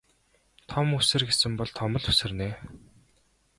Том үсэр гэсэн бол том л үсэрнэ.